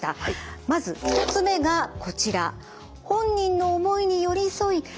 まず１つ目がこちら。